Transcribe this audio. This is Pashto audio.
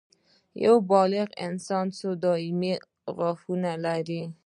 یو بالغ انسان څو دایمي غاښونه لري